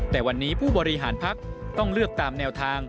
แต่วันนี้ผู้บริหารพักต้องเลือกตามแนวทาง